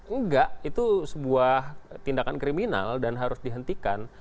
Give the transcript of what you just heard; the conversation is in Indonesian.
enggak itu sebuah tindakan kriminal dan harus dihentikan